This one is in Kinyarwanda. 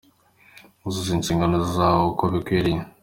" Uzuza inshingano zawe uko bikwiriye.